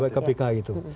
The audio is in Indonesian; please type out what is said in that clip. pak kpk itu